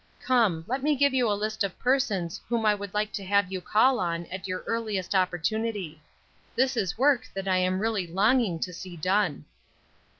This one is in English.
Come, let me give you a list of persons whom I would like to have you call on at your earliest opportunity. This is work that I am really longing to see done."